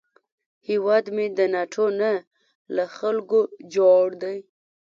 هیواد مې د ناټو نه، له خلکو جوړ دی